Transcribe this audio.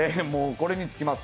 これに尽きます。